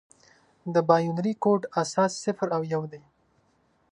د بایونري کوډ اساس صفر او یو دی.